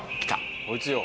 こいつよ。